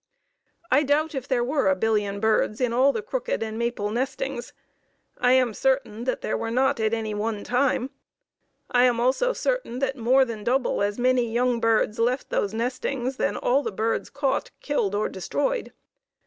I doubt if there were a billion birds in all the Crooked and Maple nestings. I am certain that there were not at any one time. I am also certain that more than double as many young birds left those nestings than all the birds caught, killed or destroyed.